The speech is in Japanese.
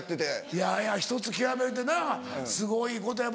いやいや１つ極めるってなすごいことや。